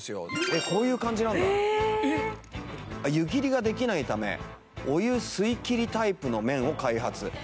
湯切りができないためお湯吸いきりタイプの麺を開発。